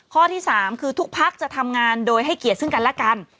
ข้อที่๓คือทุกพักจะทำงานโดยให้เกียรติซึ่งกันและกัน